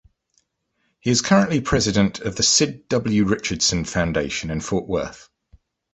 He is currently president of the Sid W. Richardson Foundation in Fort Worth.